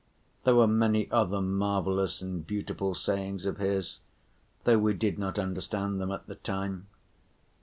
There were many other marvelous and beautiful sayings of his, though we did not understand them at the time.